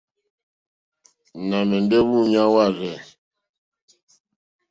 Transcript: Nà mɛ̀ndɛ́ wúǔɲá wârzɛ̂.